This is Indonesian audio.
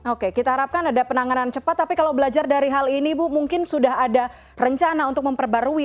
oke kita harapkan ada penanganan cepat tapi kalau belajar dari hal ini bu mungkin sudah ada rencana untuk memperbarui